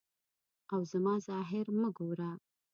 او زما ظاهر مه ګوره.